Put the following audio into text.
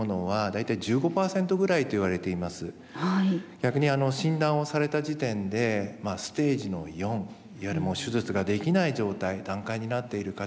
逆に診断をされた時点でステージの４いわゆるもう手術ができない状態段階になっている方